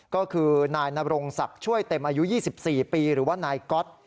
ก็คือนายนรงศักดิ์ช่วยเต็มอายุ๒๔ปีหรือว่านายก๊อต